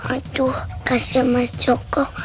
aduh kasih mas joko